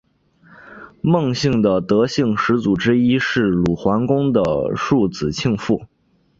孟姓的得姓始祖之一是鲁桓公的庶子庆父。